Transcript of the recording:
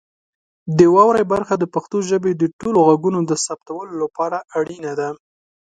د واورئ برخه د پښتو ژبې د ټولو غږونو د ثبتولو لپاره اړینه ده.